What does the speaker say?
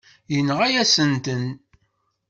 Yenɣa-yasent-ten.